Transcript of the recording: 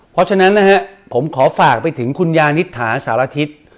เพราะฉะนั้นนะฮะผมขอฝากไปถึงคุณยานิษฐาสารทิศ